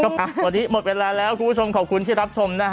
วันนี้หมดเวลาแล้วคุณผู้ชม